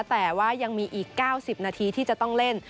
แต่ว่ายังมีอีก๙๐นาทีที่จะต้องเล่น